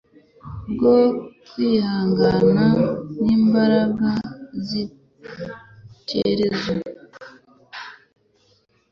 bwo kwihangana, n’imbaraga z’intekerezo